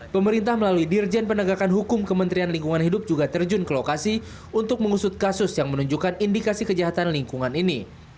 pemerintah melalui dirjen penegakan hukum kementerian lingkungan hidup juga terjun ke lokasi untuk mengusut kasus yang menunjukkan indikasi kejahatan lingkungan ini